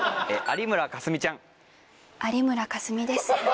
有村架純です。